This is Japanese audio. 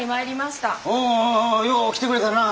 おおよう来てくれたな。